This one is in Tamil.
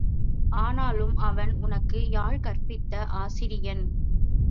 ஆனாலும் அவன் உனக்கு யாழ் கற்பித்த ஆசிரியன்.